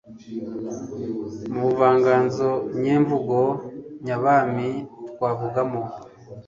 mu buvanganzo nyemvugo nyabami twavugamo